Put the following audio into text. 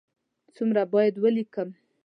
څومره باید ولیکم؟